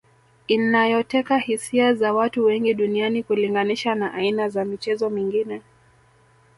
inayoteka hisia za watu wengi duniani kulinganisha na aina za michezo mingine